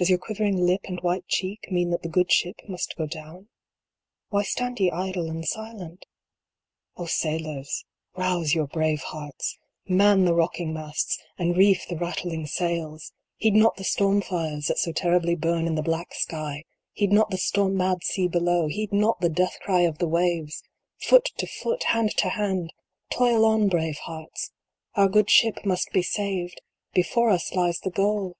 Does your quivering lip and white cheek mean that the good Ship must go down ? Why stand ye idle and silent ? O sailors, rouse your brave hearts I Man the rocking masts, and reef the rattling sails ! 4 38 THE SHIP THAT WENT DOWN. Heed not the storm fires that so terribly burn in the black sky! Heed not the storm mad sea below ! Heed not the death cry of the waves ! Foot to foot, hand to hand ! Toil on brave hearts ! Our good Ship must be saved 1 Before us lies the goal